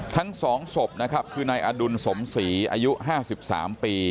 ทั้ง๒ศพนะครับคือนายอดุลสมศรีอายุ๕๓ปี